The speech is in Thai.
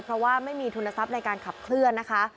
เพราะว่าไม่มีทุนทรัพย์ในการขับเคลื่อนนะคะ